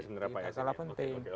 tidak kalah penting